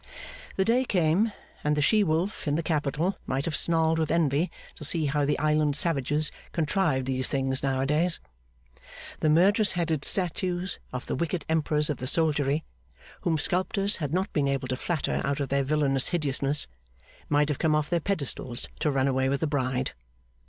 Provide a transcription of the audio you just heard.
The day came, and the She Wolf in the Capitol might have snarled with envy to see how the Island Savages contrived these things now a days. The murderous headed statues of the wicked Emperors of the Soldiery, whom sculptors had not been able to flatter out of their villainous hideousness, might have come off their pedestals to run away with the Bride.